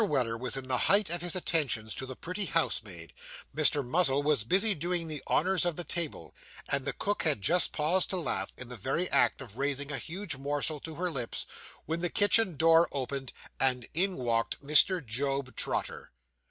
Weller was in the height of his attentions to the pretty house maid; Mr. Muzzle was busy doing the honours of the table; and the cook had just paused to laugh, in the very act of raising a huge morsel to her lips; when the kitchen door opened, and in walked Mr. Job Trotter.